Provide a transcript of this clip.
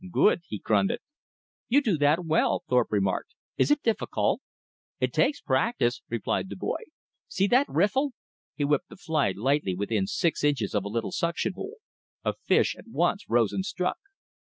"Good! he grunted. "You do that well," Thorpe remarked. "Is it difficult?" "It takes practice," replied the boy. "See that riffle?" He whipped the fly lightly within six inches of a little suction hole; a fish at once rose and struck.